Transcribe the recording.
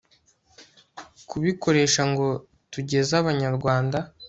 kubikoresha ngo tugeze abanyarwanda